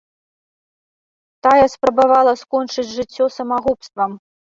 Тая спрабавала скончыць жыццё самагубствам.